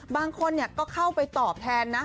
บางคนก็เข้าไปตอบแทนนะ